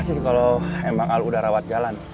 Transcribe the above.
gak sih kalau emang al udah rawat jalan